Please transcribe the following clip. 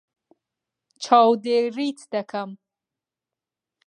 چاودێریت دەکەم.